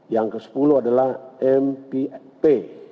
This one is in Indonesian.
yang kesepuluh adalah mep